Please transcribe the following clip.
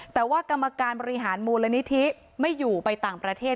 แต่ว่ากรรมการบริหารมูลนิธิไม่อยู่ไปต่างประเทศ